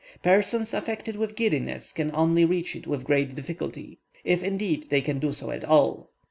Persons affected with giddiness can only reach it with great difficulty, if indeed they can do so at all.